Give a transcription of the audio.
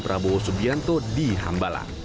prabowo subianto di hambala